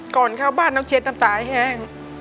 ก่อนเข้าบ้านน้องเช็ดน้ำตาแห้ง